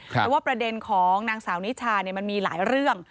แต่ว่าประเด็นของนางสาวนิชามันมีหลายเรื่อง